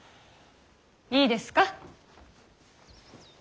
いいですか。